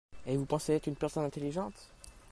Et vous pensez être une personne intelligente ?